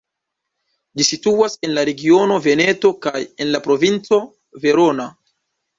Ĝi situas en la regiono Veneto kaj en la provinco Verona.